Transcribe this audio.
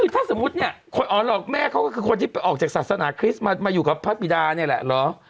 ถ้าสมมุติเนี่ยคนอ๋อหรอกแม่เขาก็คือคนที่ไปออกจากศาสนาคริสต์มาอยู่กับพระบิดาเนี่ยแหละเหรอ